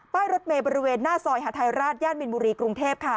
รถเมย์บริเวณหน้าซอยหาทัยราชย่านมินบุรีกรุงเทพค่ะ